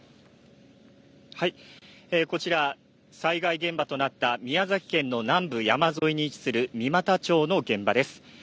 こちら災害現場となった宮崎県南部山沿いに位置する三股町の現場です。